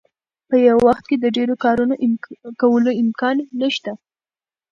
په یو وخت کې د ډیرو کارونو کولو امکان نشته.